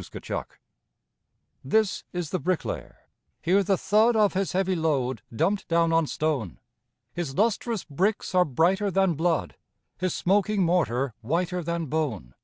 SANCTUARY This is the bricklayer; hear the thud Of his heavy load dumped down on stone. His lustrous bricks are brighter than blood, His smoking mortar whiter than bone.